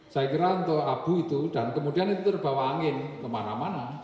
saya kira untuk abu itu dan kemudian itu terbawa angin kemana mana